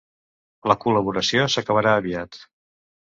La col·laboració s'acabarà aviat.